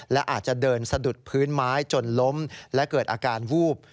และอาจจะเดินสะดุดพื้นไม้จนล้มและเกิดอาการวูบ